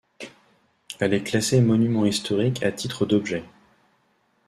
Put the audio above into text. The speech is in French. Elle est classée Monument historique à titre d'objet.